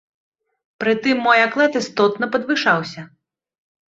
Пры тым мой аклад істотна падвышаўся.